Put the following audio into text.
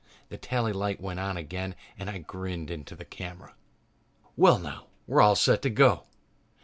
The tally light went on again and I grinned into the camera. "Well, now, we're all set to go